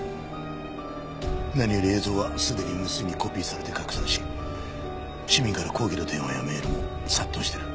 何より映像はすでに無数にコピーされて拡散し市民から抗議の電話やメールも殺到している。